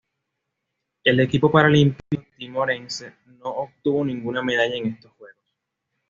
El equipo paralímpico timorense no obtuvo ninguna medalla en estos Juegos.